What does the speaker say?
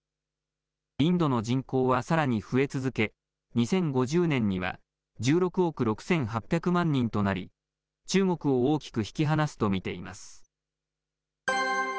インドの人口はさらに増え続け、２０５０年には１６億６８００万人となり、中国を大きく引き離すと見ています。